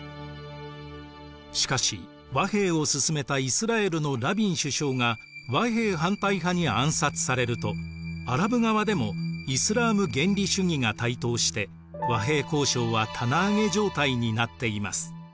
しかし和平を進めたイスラエルのラビン首相が和平反対派に暗殺されるとアラブ側でもイスラーム原理主義が台頭して和平交渉は棚上げ状態になっています。